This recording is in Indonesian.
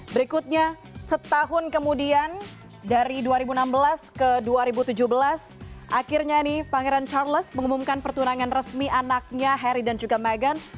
berikutnya setahun kemudian dari dua ribu enam belas ke dua ribu tujuh belas akhirnya nih pangeran charles mengumumkan pertunangan resmi anaknya harry dan juga meghan